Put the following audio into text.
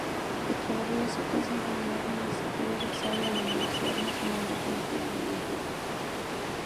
Echavarría Soto es ingeniero administrativo egresado de la Universidad Nacional de Colombia de Medellín.